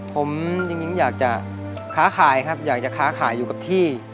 ผมจริงอยากจะค้าขายอยู่กับที่